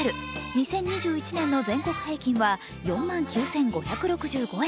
２０２１年の全国平均は４万９５６５円。